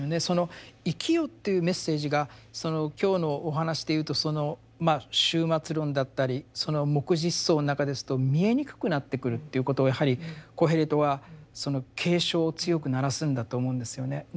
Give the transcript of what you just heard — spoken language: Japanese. その「生きよ」というメッセージが今日のお話で言うとその終末論だったりその黙示思想の中ですと見えにくくなってくるということがやはりコヘレトはその警鐘を強く鳴らすんだと思うんですよね。